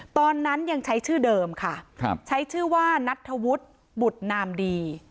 ตอนนั้นยังใช้ชื่อเดิมค่ะใช้ชื่อว่านัทธวุฒิบุตรนามดี